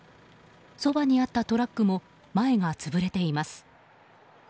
そばにあったトラックも前が潰れています。